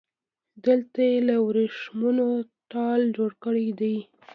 دلته يې له وريښمو ټال جوړ کړی دی